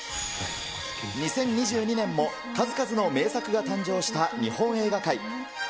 ２０２２年も数々の名作が誕生した日本映画界。